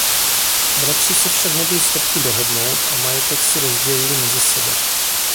Bratři se však nebyli schopni dohodnout a majetek si rozdělili mezi sebe.